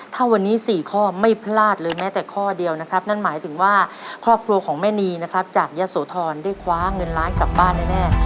ถ้าวันนี้๔ข้อไม่พลาดเลยแม้แต่ข้อเดียวนะครับนั่นหมายถึงว่าครอบครัวของแม่นีนะครับจากยะโสธรได้คว้าเงินล้านกลับบ้านแน่